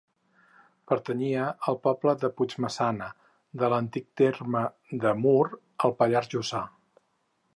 Pertanyia al poble de Puigmaçana, de l'antic terme de Mur, al Pallars Jussà.